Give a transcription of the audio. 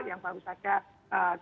yang baru saja kita dapatkan